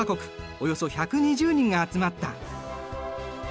およそ１２０人が集まった。